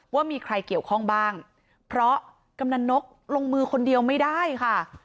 ว่ามีใครเกี่ยวข้องบ้างเพราะกำนันนกลงมือคนเดียวไม่ได้ค่ะ